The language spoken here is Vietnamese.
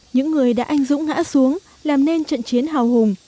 những người đã anh dũng ngã xuống làm nên trận chiến hào hùng